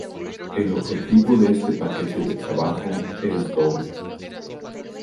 El objetivo de este paquete de trabajo es doble.